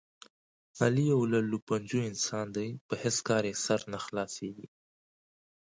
علي یو للوپنجو انسان دی، په هېڅ کار یې سر نه خلاصېږي.